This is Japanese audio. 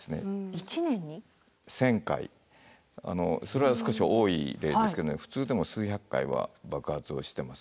それは少し多い例ですけど普通でも数百回は爆発をしてます。